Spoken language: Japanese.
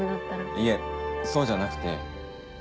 いえそうじゃなくて。